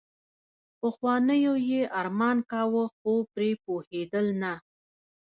پخوانیو يې ارمان کاوه خو پرې پوهېدل نه.